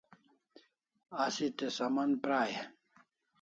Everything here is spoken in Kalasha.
Asi te saman pra e?